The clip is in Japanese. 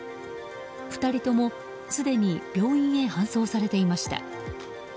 ２人ともすでに病院へ搬送されていました。